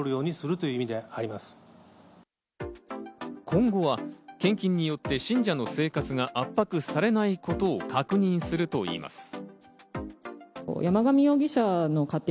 今後は献金によって信者の生活が圧迫されないことを確認するといいます。